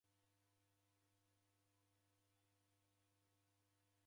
Kwaki ufungilo jela?